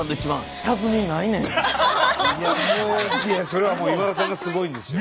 いやそれはもう今田さんがすごいんですよ。